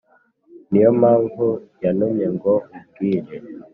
niyo mpamvu yantumye ngo nkubwire